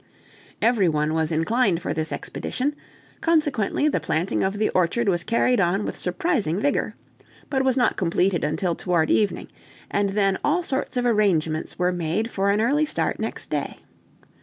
Every one was inclined for this expedition; consequently the planting of the orchard was carried on with surprising vigor, but was not completed until toward evening; and then all sorts of arrangements were made for an early start next day.